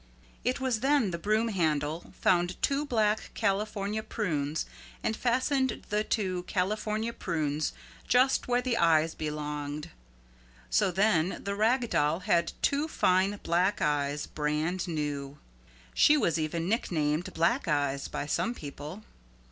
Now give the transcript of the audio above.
It was then the Broom Handle found two black California prunes, and fastened the two California prunes just where the eyes belonged. So then the Rag Doll had two fine black eyes brand new. She was even nicknamed Black Eyes by some people.